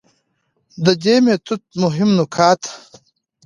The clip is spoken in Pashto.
د دې ميتود مهم نقاط: